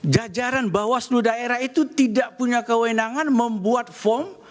jajaran bawaslu daerah itu tidak punya kewenangan membuat form